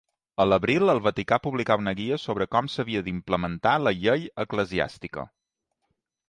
A l'abril, el Vaticà publicà una guia sobre com s'havia d'implementar la llei eclesiàstica.